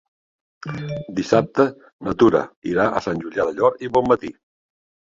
Dissabte na Tura irà a Sant Julià del Llor i Bonmatí.